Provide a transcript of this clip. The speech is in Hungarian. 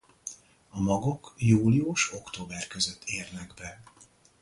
A magok július-október között érnek be.